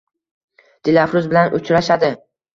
Dilafruz bilan uchrashadi